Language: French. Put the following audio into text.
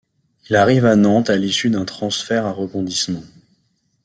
Il arrive à Nantes à l'issue d'un transfert à rebondissements.